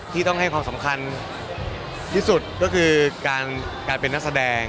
ที่ต้องให้ความสำคัญที่สุดก็คือการเป็นนักแสดง